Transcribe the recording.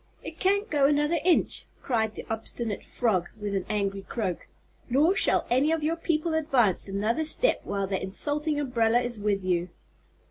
"It can't go another inch," cried the obstinate frog, with an angry croak, "nor shall any of your people advance another step while that insulting umbrella is with you."